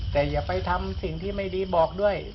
แต่อย่าไปทำสิ่งที่ไม่ดีบอกด้วย